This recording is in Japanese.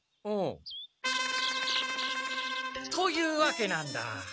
おお。というわけなんだ。